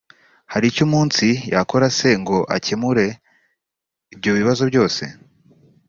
Hari icyo umunsi yakora se ngo akemure ibyo bibazo byose